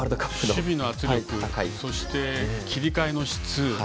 守備の圧力そして切り替えの質